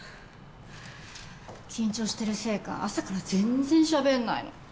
緊張してるせいか朝から全然しゃべんないの。